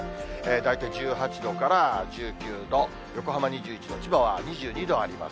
大体１８度から１９度、横浜２１度、千葉は２２度あります。